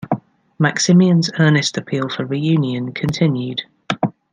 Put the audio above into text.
Maximian's earnest appeal for reunion continued.